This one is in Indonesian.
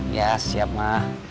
iya siap ma